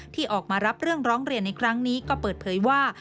ที่ออกมารับเรื่องร้องเรียนในครั้งนี้ก็เปิดเผยว่า